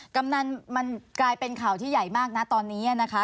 กำนันมันกลายเป็นข่าวที่ใหญ่มากนะตอนนี้นะคะ